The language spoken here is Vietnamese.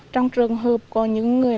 trong trường hợp có những người